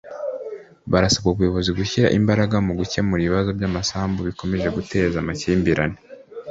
barasaba ubuyobozi gushyira imbaraga mu gukemura ikibazo cy’amasambu gikomeje guteza amakimbirane